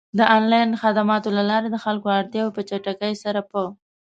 د آنلاین خدماتو له لارې د خلکو اړتیاوې په چټکۍ سره پ